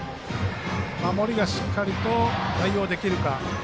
守りがしっかりと対応できるか。